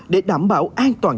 để đảm bảo an toàn